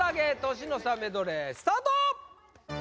年の差メドレースタート